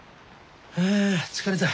ああ疲れた。